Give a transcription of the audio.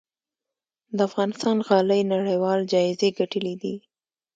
د افغانستان غالۍ نړیوال جایزې ګټلي دي